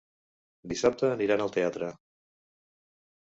Dissabte aniran al teatre.